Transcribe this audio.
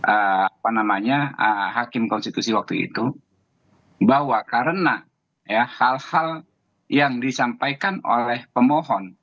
apa namanya hakim konstitusi waktu itu bahwa karena hal hal yang disampaikan oleh pemohon